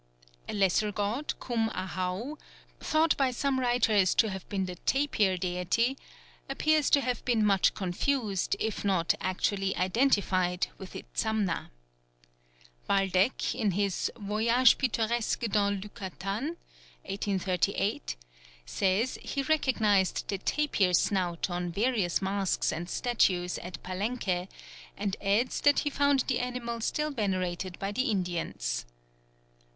A lesser god, Cum Ahau, thought by some writers to have been the tapir deity, appears to have been much confused, if not actually identified, with Itzamna. Waldeck, in his Voyage pittoresque dans l'Yucatan (1838), says he recognised the tapir snout on various masks and statues at Palenque, and adds that he found the animal still venerated by the Indians.